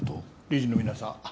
理事の皆さん。